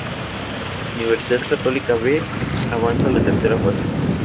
Universidad Católica B avanza a la tercera fase.